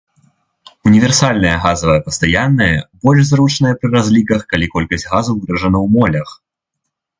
Універсальная газавая пастаянная больш зручная пры разліках, калі колькасць газу выражана у молях.